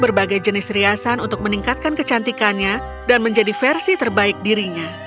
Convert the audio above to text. berbagai jenis riasan untuk meningkatkan kecantikannya dan menjadi versi terbaik dirinya